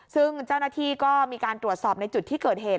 ซึ่งเจ้าหน้าที่ก็มีการตรวจสอบในจุดที่เกิดเหตุ